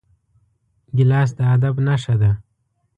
ګیلاس د ادب نښه ده.